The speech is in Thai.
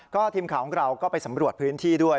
ทีมข่าวของเราก็ไปสำรวจพื้นที่ด้วย